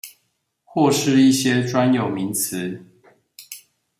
或是一些專有名詞